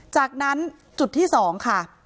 จากนั้นจุดที่๒ค่ะ